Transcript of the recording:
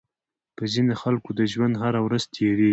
په ځينې خلکو د ژوند هره ورځ تېرېږي.